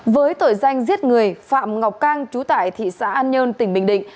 với tội danh giết người phạm ngọc cang chú tại thị xã an nhơn tỉnh bình định